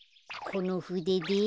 このふでで。